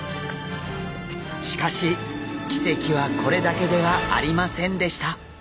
しかし奇跡はこれだけではありませんでした。